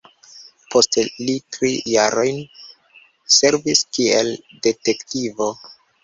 Poste li tri jarojn servis kiel detektivo.